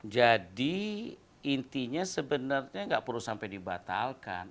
jadi intinya sebenarnya gak perlu sampai dibatalkan